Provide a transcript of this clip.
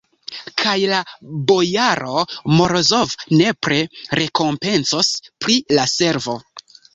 Kaj la bojaro Morozov nepre rekompencos pri la servo.